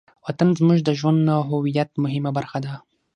وطن زموږ د ژوند او هویت مهمه برخه ده.